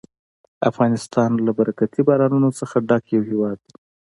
افغانستان له برکتي بارانونو څخه ډک یو هېواد دی.